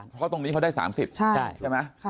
เพราะตรงนี้เขาได้๓๐ใช่ไหม